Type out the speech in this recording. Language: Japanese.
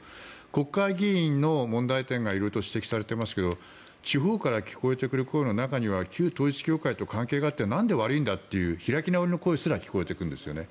国会議員の問題点が色々と指摘されていますが地方から聞こえてくる声の中には旧統一教会と関係があってなんで悪いんだという開き直りの声すら聞こえてくるんですよね。